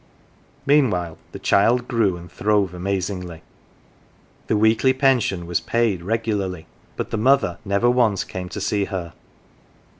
Meanwhile the child grew and throve amazingly ; the weekly pension was paid regularly, but the mother never once came to see her.